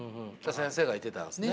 先生がいてたんですね。